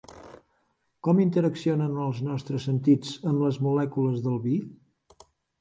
Com interaccionen els nostres sentits amb les molècules del vi?